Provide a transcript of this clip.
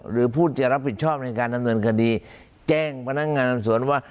หรือผู้จะรับผิดชอบในการดำเนินคดีแจ้งพนักงานสวนว่า